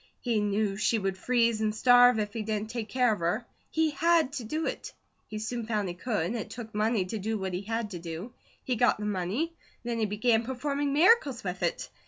He knew she would freeze and starve if he didn't take care of her; he HAD to do it. He soon found he could. It took money to do what he had to do. He got the money. Then he began performing miracles with it.